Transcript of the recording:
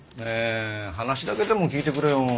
ねえ話だけでも聞いてくれよ。